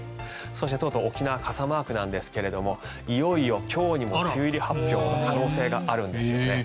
そしてとうとう沖縄傘マークなんですがいよいよ今日にも梅雨入り発表の可能性があるんですよね。